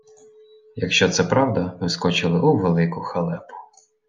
Якщо це правда, ми вскочили у велику халепу.